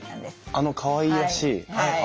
あのかわいらしい。